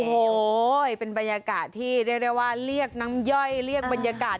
โอ้โหเป็นบรรยากาศที่เรียกได้ว่าเรียกน้ำย่อยเรียกบรรยากาศ